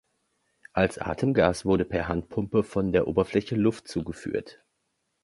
Als Atemgas wurde per Handpumpe von der Oberfläche Luft zugeführt.